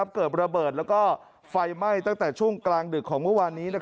เกิดระเบิดแล้วก็ไฟไหม้ตั้งแต่ช่วงกลางดึกของเมื่อวานนี้